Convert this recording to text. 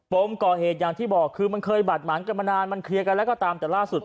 มก่อเหตุอย่างที่บอกคือมันเคยบาดหมางกันมานานมันเคลียร์กันแล้วก็ตามแต่ล่าสุด